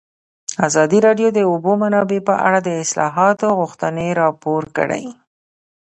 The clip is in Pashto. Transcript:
ازادي راډیو د د اوبو منابع په اړه د اصلاحاتو غوښتنې راپور کړې.